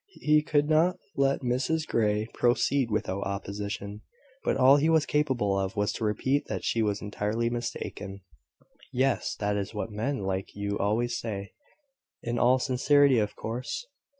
He could not let Mrs Grey proceed without opposition; but all he was capable of was to repeat that she was entirely mistaken. "Yes, that is what men like you always say, in all sincerity, of course.